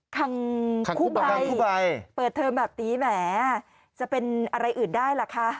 คังกุบัยเปิดเทอมแบบนี้แหมจะเป็นอะไรอื่นได้หรือคะ